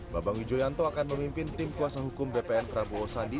bambang wijoyanto akan memimpin tim kuasa hukum bpn prabowo sandi